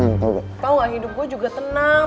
tau nggak hidup gue juga tenang